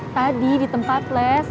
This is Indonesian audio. tadi di tempat les